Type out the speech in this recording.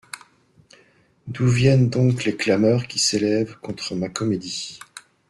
D'où viennent donc les clameurs qui s'élèvent contre ma comédie ?